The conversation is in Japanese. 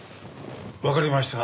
わかりました。